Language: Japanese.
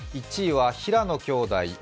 １位は平野兄弟。